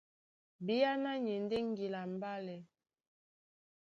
Bíáná ni e ndé ŋgila a mbálɛ.